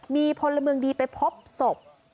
มีพลเมืองดีไปพบศพ